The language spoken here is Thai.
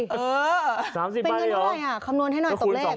เป็นเงินเท่าไหร่คำนวณให้หน่อยตกเลข